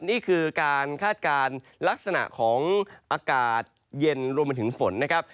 นี่คือการคาดการณ์ลักษณะของอากาศเย็นรวมไปถึงฝนนะครับ